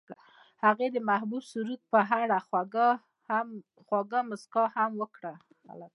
هغې د محبوب سرود په اړه خوږه موسکا هم وکړه.